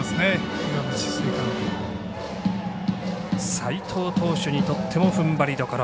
齋藤投手にとっても踏ん張りどころ。